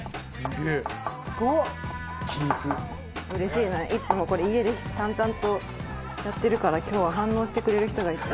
いつもこれ家で淡々とやってるから今日は反応してくれる人がいて。